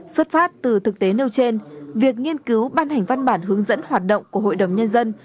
xuất phát từ thực tế nêu trên việc nghiên cứu ban hành văn bản hướng dẫn hoạt động của hội đồng nhân dân